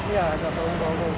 iya ada bau bau bau